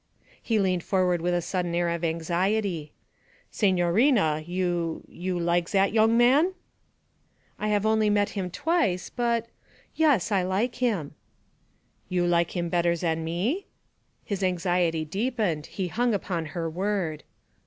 He leaned forward with a sudden air of anxiety. 'Signorina, you you like zat yong man?' 'I have only met him twice, but yes, I like him.' 'You like him better zan me?' His anxiety deepened; he hung upon her word.